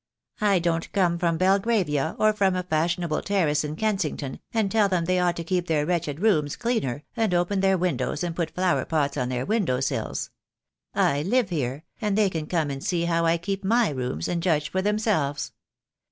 "I don't come from Belgravia, or from a fashionable terrace in Kensington, and tell them they ought to keep their wretched rooms cleaner, and open their windows and put flower pots on their window sills. I live here, and they can come and see how I keep my rooms, and judge for themselves.